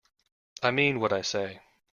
I mean what I say.